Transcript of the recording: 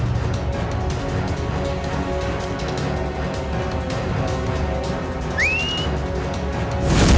dan mencari radin